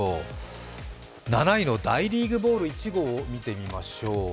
７位の大リーグボール１号を見てみましょう。